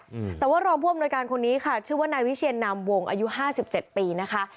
อืมแต่ว่ารองผู้อำนวยการคนนี้ค่ะชื่อว่านายวิเชียนนามวงอายุห้าสิบเจ็ดปีนะคะ